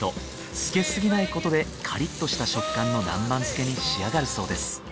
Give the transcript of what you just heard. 漬けすぎないことでカリッとした食感の南蛮漬けに仕上がるそうです